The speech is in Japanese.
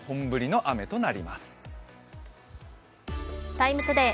「ＴＩＭＥ，ＴＯＤＡＹ」